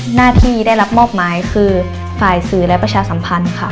หน้าที่ได้รับมอบหมายคือฝ่ายสื่อและประชาสัมพันธ์ค่ะ